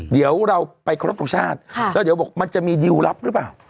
เดี๋ยวเราไปครบทรงชาติแล้วเดี๋ยวบอกมันจะมีดิวลลับหรือเปล่า